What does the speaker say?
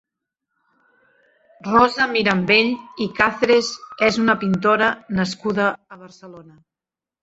Rosa Mirambell i Càceres és una pintora nascuda a Barcelona.